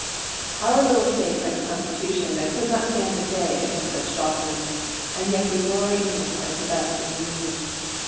Our little State has a constitution that could not stand a day against such doctrines, and yet we glory in it as the best in the Union.